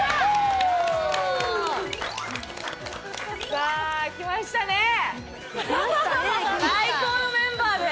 さあきましたねぇ。